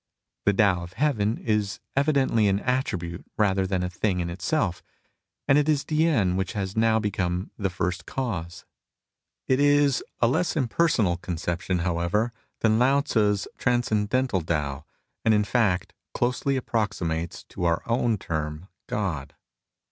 The Tao of Heaven is evidently an attribute rather than a thing in itself, and it is T'ien which has now become the First Cause. It is a less im personal conception, however, than Lao Tzu's transcendental Tao, and in fact closely approxi mates to our own term " God."